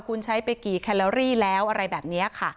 คุณใช้ไปกี่แคลอรี่แล้วอะไรแบบนี้ค่ะ